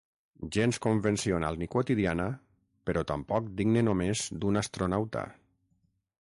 Gens convencional ni quotidiana, però tampoc digne només d'un astronauta.